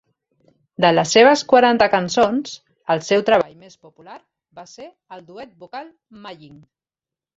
De les seves quaranta cançons, el seu treball més popular va ser el duet vocal "Maying".